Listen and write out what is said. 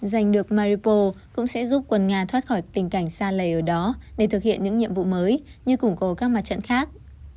giành được maripo cũng sẽ giúp quân nga thoát khỏi tình cảnh xa lầy ở đó để thực hiện những nhiệm vụ mới như củng cố các mặt trận khác